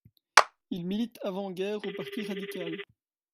Il milite avant-guerre au parti radical.